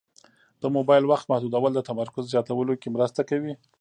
د موبایل وخت محدودول د تمرکز زیاتولو کې مرسته کوي.